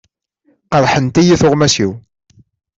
Qerḥent-iyi tuɣmas-iw.